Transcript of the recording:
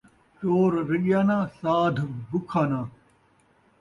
چور رڄّیا ناں ، سادھ بکھا ناں